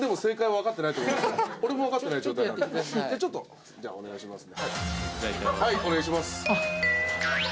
はいお願いします